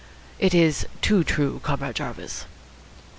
"It is too true, Comrade Jarvis."